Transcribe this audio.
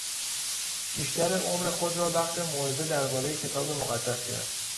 بیشتر عمر خود را وقف موعظه دربارهی کتاب مقدس کرد.